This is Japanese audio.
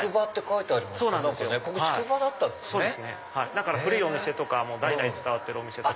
だから古いお店とか代々伝わってるお店もあって。